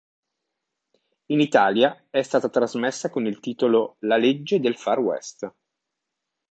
In Italia è stata trasmessa con il titolo "La legge del Far West".